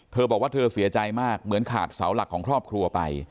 เธอบอกว่าเธอเสียใจมากเหมือนขาดเสาหลักของครอบครัวไป